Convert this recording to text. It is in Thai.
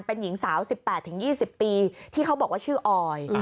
เป็นหญิงสาว๑๘๒๐ปีที่เขาบอกว่าชื่อออย